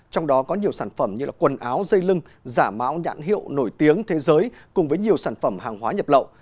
trong đó có nhiều sản phẩm như quần áo dây lưng giả mạo nhãn hiệu nổi tiếng thế giới cùng với nhiều sản phẩm hàng hóa nhập lậu